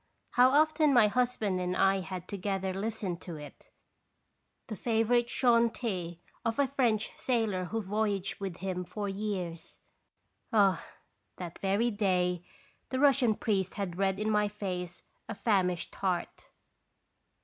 How often my hus band and I had together listened to it, the favorite " chantez" of a French sailor who voyaged with him for years ! Ah ! that very day the Russian priest had read in my face a famished heart.